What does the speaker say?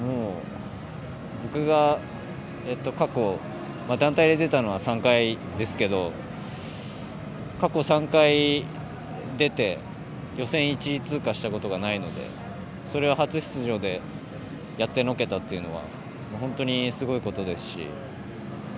僕が過去、団体に出たのは３回ですけど、過去３回、出て予選１位通過したことがないのでそれは初出場でやってのけたっていうのは本当にすごいことですし。